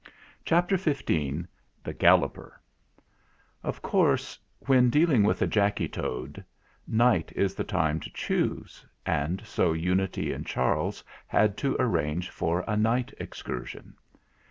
CHAPTER XV THE GALLOPER Of course when dealing with a Jacky Toad, night is the time to choose; and so Unity and Charles had to arrange for a night excursion.